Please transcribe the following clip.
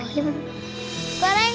besis menerima nerokim